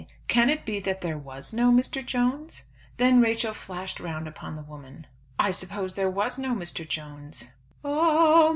Can it be that there was no Mr. Jones?" Then Rachel flashed round upon the woman. "I suppose there was no Mr. Jones?"